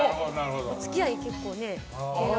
お付き合い、結構ね。